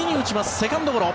セカンドゴロ。